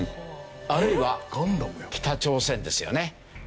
あるいは北朝鮮ですよね。